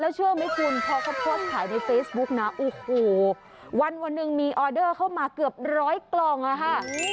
แล้วเชื่อไหมคุณเพราะข้าวโพดขายในเฟซบุ๊คนะโอ้โหวันวันนึงมีออเดอร์เข้ามาเกือบร้อยกล่องเหรอฮะ